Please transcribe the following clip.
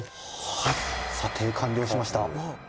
はい、査定完了しました」